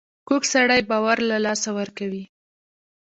کوږ سړی باور له لاسه ورکوي